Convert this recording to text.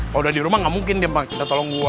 kalo udah di rumah gak mungkin dia mbak cinta tolong gue